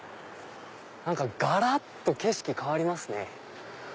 がらっと景色変わりますね。